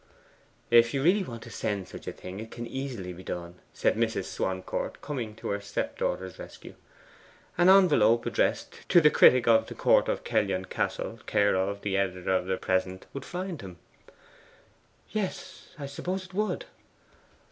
'If you really want to send such a thing it can easily be done,' said Mrs. Swancourt, coming to her step daughter's rescue. 'An envelope addressed, "To the Critic of THE COURT OF KELLYON CASTLE, care of the Editor of the PRESENT," would find him.' 'Yes, I suppose it would.